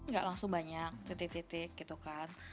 gak langsung banyak titik titik gitu kan